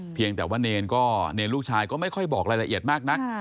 เพียงแต่ว่าเนรก็เนรลูกชายก็ไม่ค่อยบอกรายละเอียดมากนัก